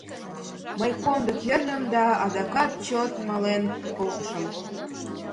Мый комдык йӧрльым да адакат чот мален колтышым.